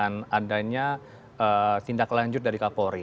misalnya tindak lanjut dari kapolri